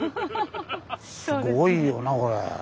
すごいよなこれ。